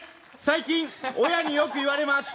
最近親によく言われます